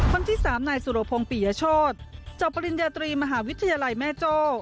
คนที่๓นายสุรพงศ์ปิยโชธจบปริญญาตรีมหาวิทยาลัยแม่โจ้